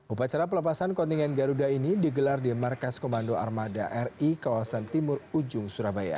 upacara pelepasan kontingen garuda ini digelar di markas komando armada ri kawasan timur ujung surabaya